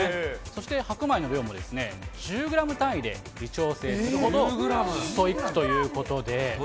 そして白米の量も１０グラム単位で微調整するほどストイックということで。